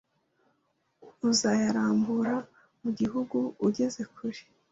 uzayarambura mu gihugu ugeze kure